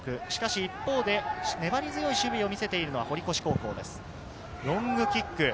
一方で粘り強い守備を見せているのは堀越高校です。